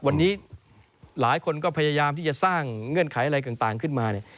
วันนี้หลายคนก็พยายามที่จะสร้างเงื่อนไขอะไรต่างขึ้นมาเนี่ย